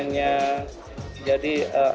bahkan ada perpustakaan dalam keluarganya